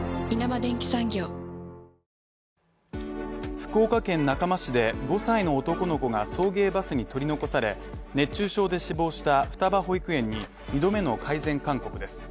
福岡県中間市で５歳の男の子が送迎バスに取り残され、熱中症で死亡した双葉保育園に２度目の改善勧告です。